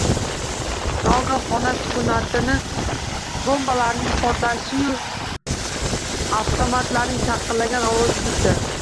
Nogoh xona sukunatini bombalarning portlashi-yu avtomatlarning shaqillagan ovozi buzdi.